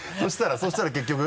そしたら結局？